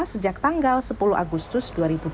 sejak tanggal sepuluh agustus dua ribu dua puluh